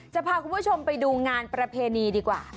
จะพาคุณผู้ชมไปดูงานประเพณีดีกว่า